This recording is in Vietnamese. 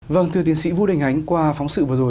vâng thưa tiến sĩ vũ đình ánh qua phóng sự vừa rồi